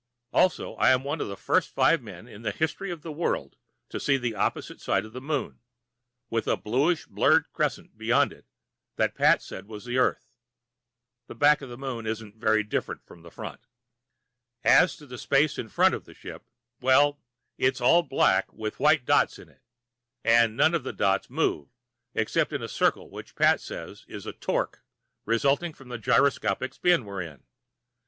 Also, I am one of the first five men in the history of the world to see the opposite side of the Moon, with a bluish blurred crescent beyond it that Pat said was the Earth. The back of the Moon isn't much different from the front. As to the space in front of the ship, well, it's all black with white dots in it, and none of the dots move, except in a circle that Pat says is a "torque" result from the gyroscopic spin we're in.